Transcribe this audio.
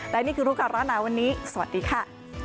และนี่คือรู้ก่อนร้อนหนาวันนี้สวัสดีค่ะ